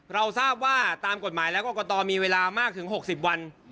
เราทราบว่าตามกฎหมายและกรกตมีเวลามากถึง๖๐วัน